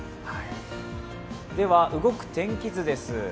動く天気図です。